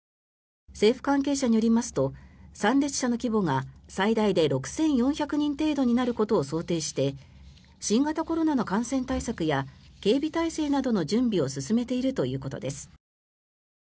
政府関係者によりますと参列者の規模が最大で６４００人程度になることを想定して新型コロナの感染対策や警備体制などの準備を進めているということです。